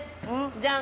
じゃん！